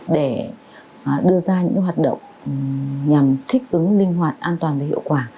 để đưa ra những hoạt động nhằm thích ứng linh hoạt an toàn và hiệu quả